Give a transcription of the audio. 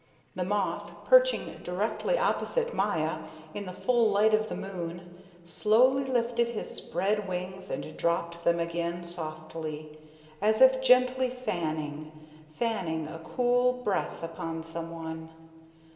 The moth, perching directly opposite Maya in the full light of the moon, slowly lifted his spread wings and dropped them again, softly, as if gently fanning fanning a cool breath upon someone.